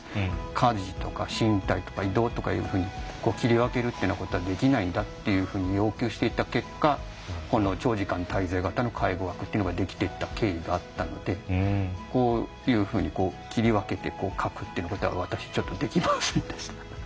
家事とか身体とか移動とかいうふうに切り分けるというようなことはできないんだっていうふうに要求していった結果長時間滞在型の介護枠っていうのができていった経緯があったのでこういうふうに切り分けて書くっていうことは私ちょっとできませんでした。